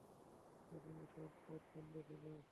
সেখানে সব পথ বন্ধ ছিল।